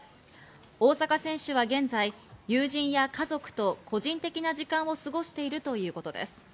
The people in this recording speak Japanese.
大坂選手は現在、友人や家族と個人的な時間を過ごしているということです。